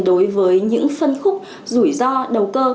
đối với những phân khúc rủi ro đầu cơ